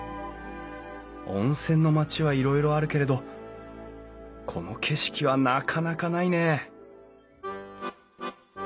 温泉の町はいろいろあるけれどこの景色はなかなかないねえ